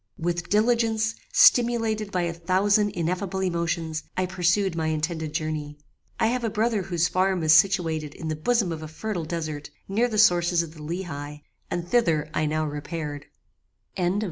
"With diligence, stimulated by a thousand ineffable emotions, I pursued my intended journey. I have a brother whose farm is situated in the bosom of a fertile desert, near the sources of the Leheigh, and thither I now repaired."